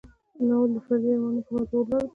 ناول د فردي ارمانونو پر موضوع ولاړ دی.